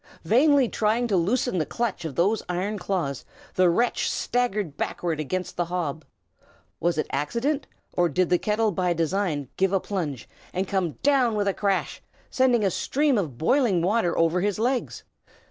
Vainly trying to loosen the clutch of those iron claws, the wretch staggered backward against the hob. Was it accident, or did the kettle by design give a plunge, and come down with a crash, sending a stream of boiling water over his legs?